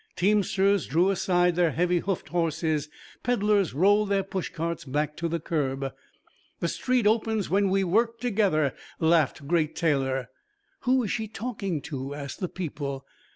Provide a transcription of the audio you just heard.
Teamsters drew aside their heavy hoofed horses. Peddlers rolled their push carts back to the curb. "The street opens when we work together," laughed Great Taylor. "Who is she talking to?" asked the people.